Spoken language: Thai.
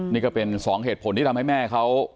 นี่ก็เป็นสองเหตุผลที่ทำให้แม่เขา